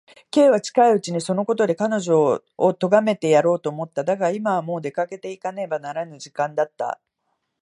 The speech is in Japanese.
Ｋ は近いうちにそのことで彼女をとがめてやろうと思った。だが、今はもう出かけていかねばならぬ時間だった。